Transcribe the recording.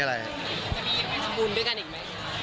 จะมียังไม่สมบูรณ์ด้วยกันอีกไหม